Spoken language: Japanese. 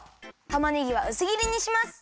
たまねぎはうすぎりにします。